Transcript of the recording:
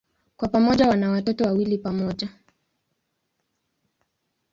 Kwa pamoja wana watoto wawili pamoja.